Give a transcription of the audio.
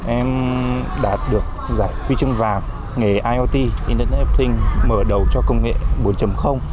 em đã được giải quy chứng vàng nghề iot internet of things mở đầu cho công nghệ bốn